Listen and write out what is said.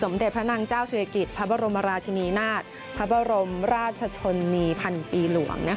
เด็จพระนางเจ้าศิริกิจพระบรมราชินีนาฏพระบรมราชชนนีพันปีหลวง